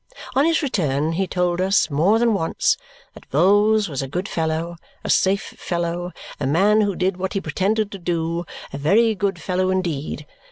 On his return he told us, more than once, that Vholes was a good fellow, a safe fellow, a man who did what he pretended to do, a very good fellow indeed!